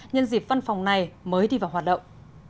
nhân dịp văn phòng này mới đi vào hoạt động